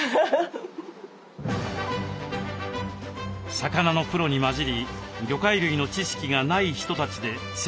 魚のプロに交じり魚介類の知識がない人たちで鮮魚店を始めた理由。